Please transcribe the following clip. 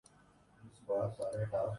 یہ ڈبے یا بوتل کو ٹھنڈا کردیتی ہے۔